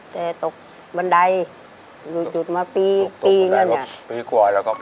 แต่ตกบันไดหยุดมาปีปีกว่าแล้วครับ